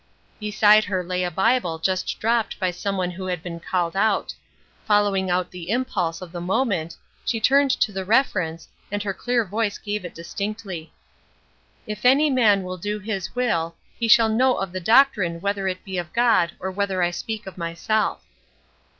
'" Beside her lay a Bible just dropped by some one who had been called out. Following out the impulse of the moment she turned to the reference, and her clear voice gave it distinctly: "If any man will do his will, he shall know of the doctrine whether it be of God or whether I speak of myself."